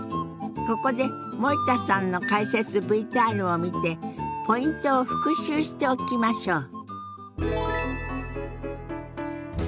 ここで森田さんの解説ＶＴＲを見てポイントを復習しておきましょう。